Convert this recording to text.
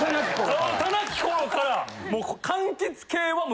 そう幼き頃からもう。